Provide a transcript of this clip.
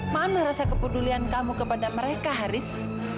mana rasa kepedulian kamu kepada mereka haris